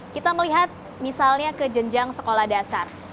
kita melihat misalnya ke jenjang sekolah dasar